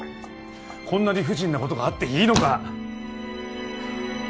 こんな理不尽なことがあっていいのか！